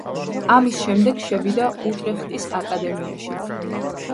ამის შემდეგ შევიდა უტრეხტის აკადემიაში.